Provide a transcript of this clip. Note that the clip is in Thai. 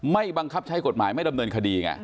บังคับใช้กฎหมายไม่ดำเนินคดีไง